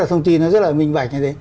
thông tin nó rất là minh bạch như thế